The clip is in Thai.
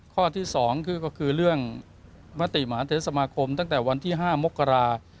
ข้อที่๒ก็คือเรื่องมติมหาเทศสมาคมตั้งแต่วันที่๕มกรา